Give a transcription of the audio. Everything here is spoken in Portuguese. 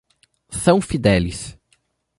São Fidélis